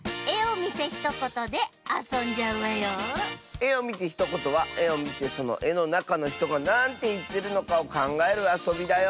「えをみてひとこと」はえをみてそのえのなかのひとがなんていってるのかをかんがえるあそびだよ。